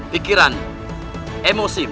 baik sheikh raden ujian itu akan menguras tenagamu